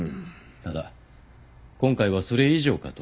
ただ今回はそれ以上かと。